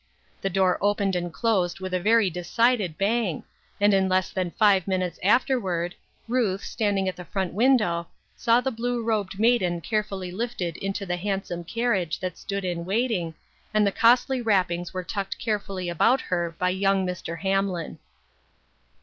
The door opened and closed with a very decided bang, and in less than five minutes afterward, Ruth, standing at the front window, saw the blue robed maiden carefully lifted into the handsome carriage that stood in waiting, and the costly wrappings were tucked carefully about her by young Mr. Hamlin.